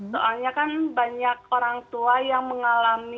soalnya kan banyak orang tua yang mengalami